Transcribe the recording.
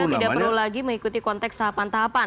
kita tidak perlu lagi mengikuti konteks tahapan tahapan